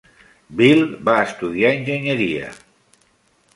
Bill i va estudiar enginyeria.